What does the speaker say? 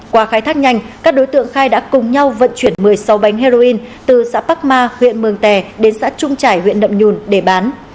qua khai thác nhanh các đối tượng khai đã cùng nhau vận chuyển một mươi sáu bánh heroin từ xã bắc ma huyện mường tè đến xã trung trải huyện nậm nhùn để bán